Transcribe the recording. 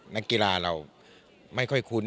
นักกีฬาเราไม่ค่อยคุ้น